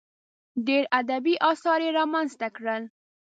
ډېر ادبي اثار یې رامنځته کړل.